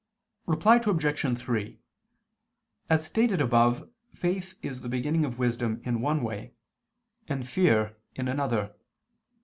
Reply Obj. 3: As stated above, faith is the beginning of wisdom in one way, and fear, in another.